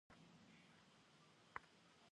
Vopêratse zêbğeş'ın xuêyş.